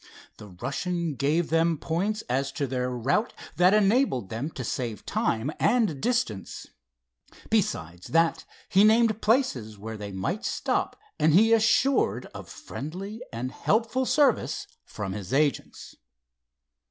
The Russian gave them points as to their route that enabled them to save time and distance. Besides that, he named places where they might stop and be assured of friendly and helpful service from his agents.